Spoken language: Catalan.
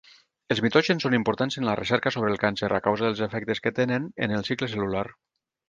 Els mitògens són importants en la recerca sobre el càncer a causa dels efectes que tenen en el cicle cel·lular.